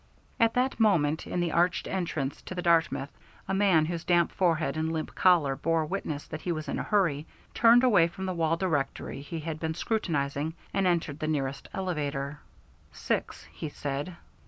At that moment, in the arched entrance to the Dartmouth, a man whose damp forehead and limp collar bore witness that he was in a hurry, turned away from the wall directory he had been scrutinizing and entered the nearest elevator. "Six," he said.